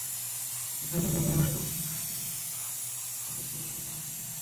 একটি স্বাধীন কুর্দি রাষ্ট্র প্রতিষ্ঠায় তিন দশক ধরে লড়াই চালাচ্ছে সংগঠনটি।